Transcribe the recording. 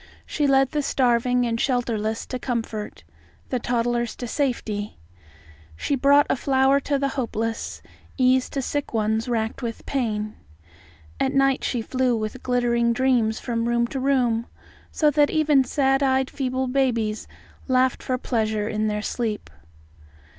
She led the starving and shelterless to comfort, the toddlers to safety; she brought a flower to the hopeless, ease to sick ones racked with pain; at night she flew with glittering dreams from room to room, so that even sad eyed feeble babies laughed for pleasure in their sleep.